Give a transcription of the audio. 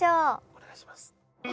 お願いします。